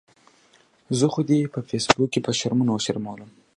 زه خو دې په فیسبوک کې په شرمونو وشرمؤلم